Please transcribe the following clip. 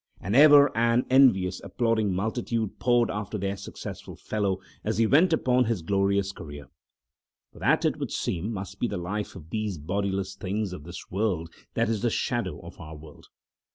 And ever an envious applauding multitude poured after their successful fellow as he went upon his glorious career. For that, it would seem, must be the life of these bodiless things of this world that is the shadow of our world.